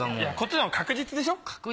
いやこっちのが確実でしょ？